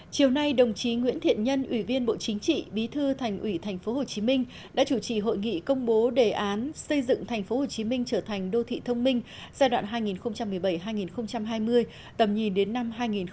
chiều nay đồng chí nguyễn thiện nhân ủy viên bộ chính trị bí thư thành ủy tp hcm đã chủ trì hội nghị công bố đề án xây dựng tp hcm trở thành đô thị thông minh giai đoạn hai nghìn một mươi bảy hai nghìn hai mươi tầm nhìn đến năm hai nghìn hai mươi năm